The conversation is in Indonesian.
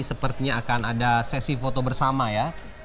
sepertinya akan ada sesi foto bersama ya